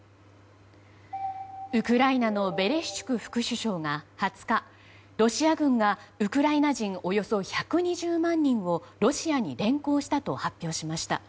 ウクライナのベレシュチュク副首相が２０日ロシア軍がウクライナ人およそ１２０万人をロシアに連行したと発表しました。